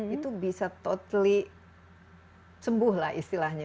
itu bisa totally sembuh lah istilahnya